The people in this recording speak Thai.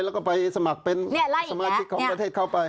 แล้วก็ไปสมัครเป็นสมาชิกของประเทศเข้าไป